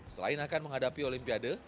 selain akan menghadapi olimpiade